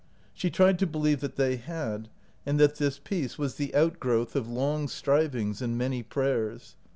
She tried to believe that they had, and that this peace was the outgrowth of 92 OUT OF BOHEMIA long strivings and many prayers.